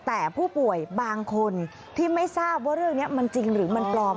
แต่ผู้ป่วยบางคนที่ไม่ทราบว่าเรื่องนี้มันจริงหรือมันปลอม